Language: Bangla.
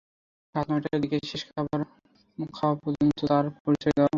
রাত নয়টার দিকে শেষ খবর পাওয়া পর্যন্ত তাঁর পরিচয় পাওয়া যায়নি।